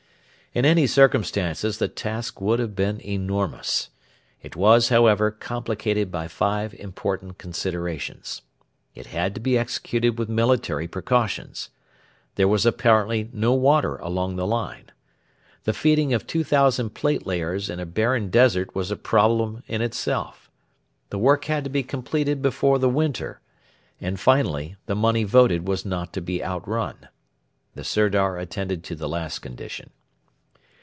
In any circumstances the task would have been enormous. It was, however, complicated by five important considerations: It had to be executed with military precautions. There was apparently no water along the line. The feeding of 2,000 platelayers in a barren desert was a problem in itself. The work had to be completed before the winter. And, finally, the money voted was not to be outrun. The Sirdar attended to the last condition.